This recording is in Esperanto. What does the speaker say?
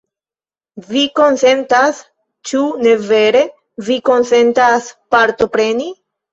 Vi konsentas, ĉu ne vere? Vi konsentas partopreni?